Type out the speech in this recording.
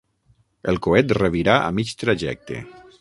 El coet revirà a mig trajecte.